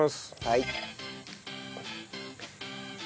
はい。